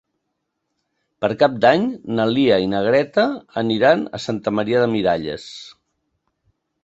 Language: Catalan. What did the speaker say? Per Cap d'Any na Lia i na Greta aniran a Santa Maria de Miralles.